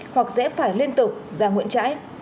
hoặc rẽ phải liên tục ra nguyễn trãi